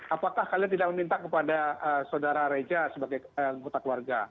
apakah kalian tidak meminta kepada saudara reja sebagai anggota keluarga